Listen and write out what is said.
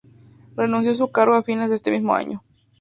Renunció a su cargo a fines de ese mismo año.